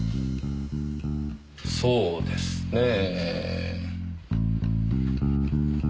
そうですねえ。